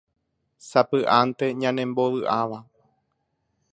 sapy'ánte ñanembovy'áva